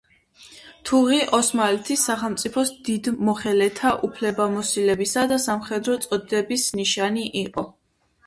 თუღი ოსმალეთის სახელმწიფოს დიდ მოხელეთა უფლებამოსილებისა და სამხედრო წოდების ნიშანი იყო.